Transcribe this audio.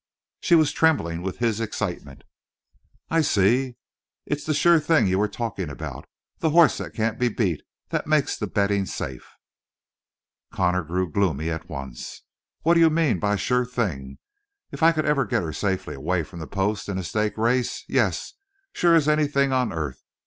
She was trembling with his excitement. "I see. It's the sure thing you were talking about. The horse that can't be beat that makes the betting safe?" But Connor grew gloomy at once. "What do you mean by sure thing? If I could ever get her safely away from the post in a stake race, yes; sure as anything on earth.